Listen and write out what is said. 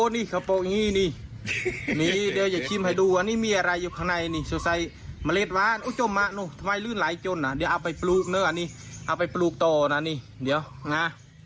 เดี๋ยวเอาไปปลูกเนอะอันนี้เอาไปปลูกต่อนะนี่เดี๋ยวน่ะ